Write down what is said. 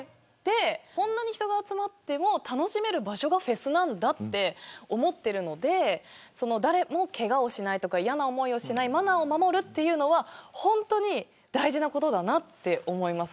こんなに人が集まっても楽しめる場所がフェスなんだって思ってるので誰もけがをしないとか嫌な思いをしないマナーを守るというのは本当に大事なことだなって思います。